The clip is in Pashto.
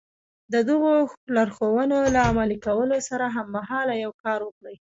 د دغو لارښوونو له عملي کولو سره هممهاله يو کار وکړئ.